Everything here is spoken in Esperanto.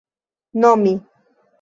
nomi